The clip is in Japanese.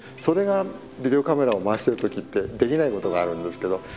それがビデオカメラを回してる時ってできないことがあるんですけど